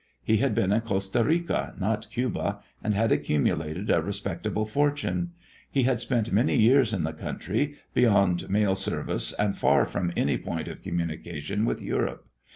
He had been in Costa Rica, not Cuba, and had accumulated a respectable fortune. He had spent many years in the country, beyond mail service and far from any point of communication with Europe.